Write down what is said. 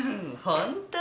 本当？